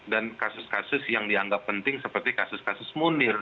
dan kasus kasus yang dianggap penting seperti kasus kasus munir